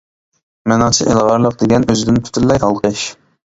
مېنىڭچە ئىلغارلىق دېگەن ئۆزىدىن پۈتۈنلەي ھالقىش.